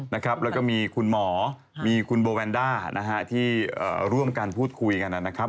และมีคุณหมอคุณบอวัลด้าไปเตือนกัน